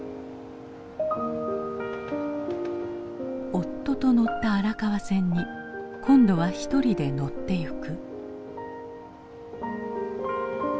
夫と乗った荒川線に今度は一人で乗っていく。